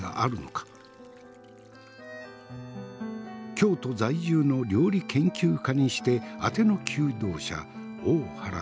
京都在住の料理研究家にしてあての求道者大原千鶴。